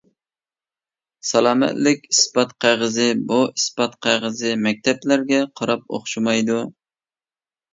سالامەتلىك ئىسپات قەغىزى بۇ ئىسپات قەغىزى مەكتەپلەرگە قاراپ ئوخشىمايدۇ.